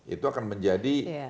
itu akan menjadi